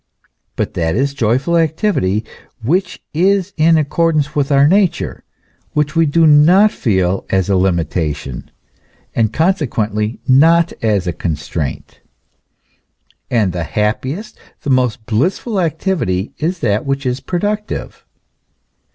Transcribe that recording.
But that is joyful activity which is in accordance with our nature, which we do not feel as a limitation, and consequently not as a constraint. And the happiest, the most blissful activity is that which is productive.